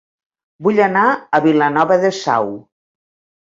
Vull anar a Vilanova de Sau